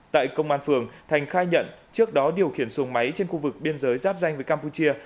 tại công an phường thành khai nhận trước đó điều khiển xuồng máy trên khu vực biên giới giáp danh với campuchia